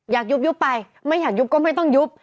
ยุบไปไม่อยากยุบก็ไม่ต้องยุบ